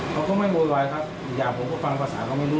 เขาก็ไม่โวยวายครับอีกอย่างผมก็ฟังภาษาเขาไม่รู้